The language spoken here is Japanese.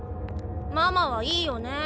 ママはいいよね。